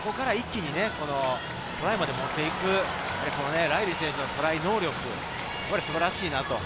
そこから一気にトライまで持っていくライリー選手のトライ能力、素晴らしいなと。